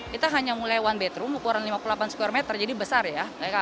kita hanya mulai one betroom ukuran lima puluh delapan square meter jadi besar ya